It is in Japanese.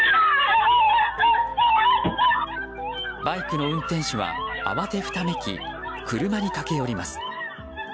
バイクの運転手は慌てふためき車に駆け寄ります。